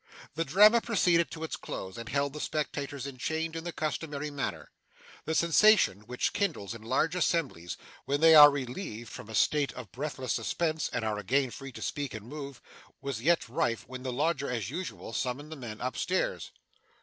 The drama proceeded to its close, and held the spectators enchained in the customary manner. The sensation which kindles in large assemblies, when they are relieved from a state of breathless suspense and are again free to speak and move, was yet rife, when the lodger, as usual, summoned the men up stairs.